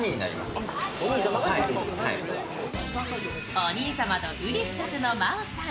お兄様とうり二つの昌大さん。